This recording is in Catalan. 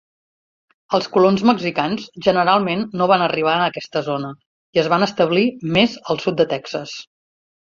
Els colons mexicans generalment no van arribar a aquesta zona, i es van establir més al sud de Texas.